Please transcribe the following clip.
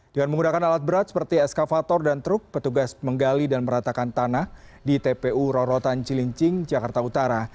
dengan menggunakan alat berat seperti eskavator dan truk petugas menggali dan meratakan tanah di tpu rorotan cilincing jakarta utara